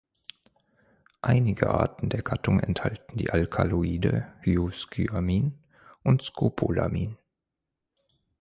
Einige Arten der Gattung enthalten die Alkaloide Hyoscyamin und Scopolamin.